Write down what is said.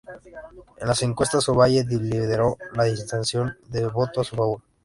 En las encuestas Ovalle lideró la intención de voto a su favor.